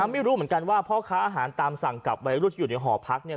ไม่รู้เหมือนกันว่าพ่อค้าอาหารตามสั่งกับวัยรุ่นที่อยู่ในหอพักเนี่ย